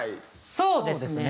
そうですね。